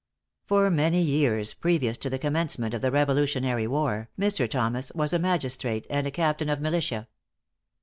For many years previous to the commencement of the Revolutionary war, Mr. Thomas was a magistrate and a captain of militia.